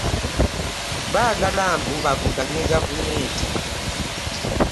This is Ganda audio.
Baagala mbu bavumaganye gavumenti